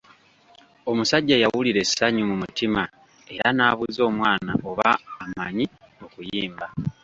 Omusajja yawulira essanyu mu mutima era n'abuuza omwana oba amanyi okuyimba.